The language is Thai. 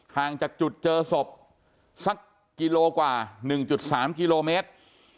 ห่างจากจุดเจอศพสักกิโลกว่าหนึ่งจุดสามกิโลเมตร